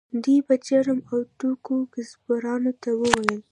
دوی به چرم او ټوکر کسبګرو ته ووړل.